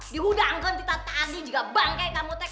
di hudangkan kita tadi juga bangke kamu teg